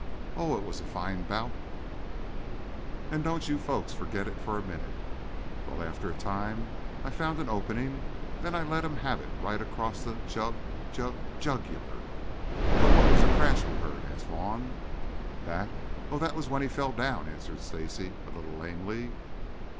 Oh, it was a fine bout, don't you folks forget it for a minute! Well, after a time I found an opening, then I let him have it right across the jug jug jugular." "But what was that crash we heard?" asked Vaughn. "That? Oh, that was when he fell down," answered Stacy a little lamely.